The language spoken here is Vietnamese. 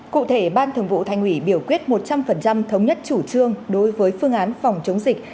cụ thể ban thường vụ thành ủy biểu quyết một trăm linh thống nhất chủ trương đối với phương án phòng chống dịch